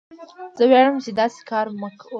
زه ویاړم چې داسې کار مې وکړ.